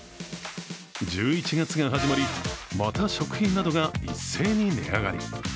１１月が始まりまた食品などが一斉に値上がり。